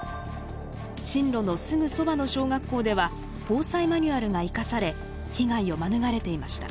進路のすぐそばの小学校では防災マニュアルが生かされ被害を免れていました。